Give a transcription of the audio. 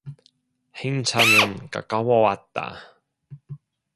행차는 가까워 왔다.